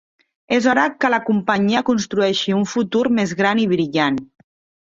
És hora que la companyia construeixi un futur més gran i brillant.